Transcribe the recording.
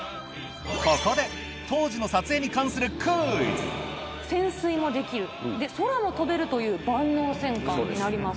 ここで当時の撮影に関する潜水もできる空も飛べるという万能戦艦になります。